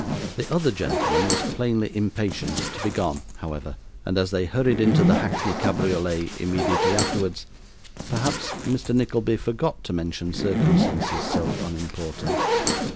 The other gentleman was plainly impatient to be gone, however, and as they hurried into the hackney cabriolet immediately afterwards, perhaps Mr. Nickleby forgot to mention circumstances so unimportant.